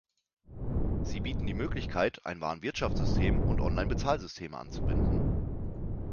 Sie bieten die Möglichkeit, ein Warenwirtschaftssystem und Online-Bezahlsysteme anzubinden.